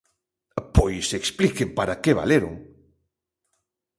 ¡Pois expliquen para que valeron!